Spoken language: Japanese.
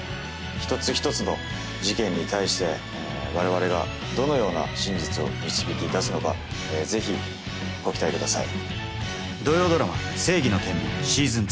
一つ一つの事件に対して我々がどのような真実を導き出すのか是非ご期待ください。